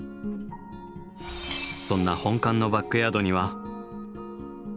そんな本館のバックヤードには。